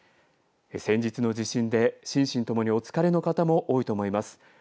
先日の地震で心身ともにお疲れの方も多いと思います。